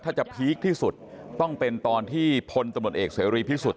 ถ้าจะพีคที่สุดต้องเป็นตอนที่พลตำรวจเอกเสรีพิสุทธิ